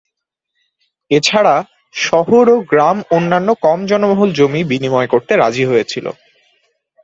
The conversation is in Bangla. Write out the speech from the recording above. এছাড়া, শহর ও গ্রাম অন্যান্য কম জনবহুল জমি বিনিময় করতে রাজি হয়েছিল।